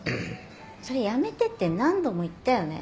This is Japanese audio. それやめてって何度も言ったよね？